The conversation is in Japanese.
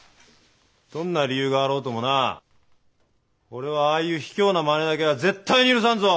どんな理由があろうともな俺はああいう卑怯なまねだけは絶対に許さんぞ！